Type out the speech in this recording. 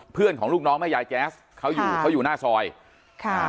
ของลูกน้องแม่ยายแจ๊สเขาอยู่เขาอยู่หน้าซอยค่ะ